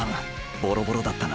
ボロボロだったな。